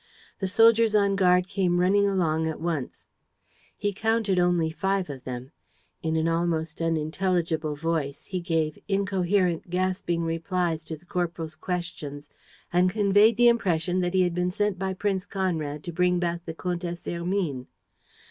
The soldiers on guard came running along at once. He counted only five of them. In an almost unintelligible voice, he gave incoherent, gasping replies to the corporal's questions and conveyed the impression that he had been sent by Prince Conrad to bring back the Comtesse Hermine.